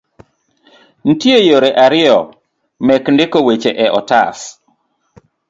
Nitie yore ariyo mek ndiko weche e otas